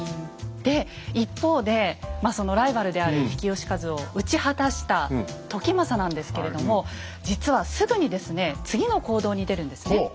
で一方でそのライバルである比企能員を討ち果たした時政なんですけれども実はすぐにですね次の行動に出るんですね。